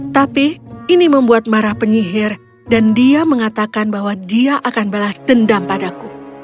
tapi ini membuat marah penyihir dan dia mengatakan bahwa dia akan balas dendam padaku